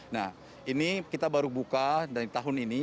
nah ini kita baru buka dari tahun ini